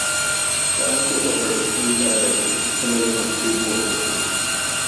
The air force operates three air bases; the navy has two port bases.